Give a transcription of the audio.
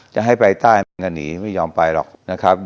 จะให้ไปใต้มันก็หนีไม่ยอมไปหรอกนะครับ